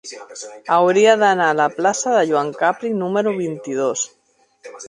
Hauria d'anar a la plaça de Joan Capri número vint-i-dos.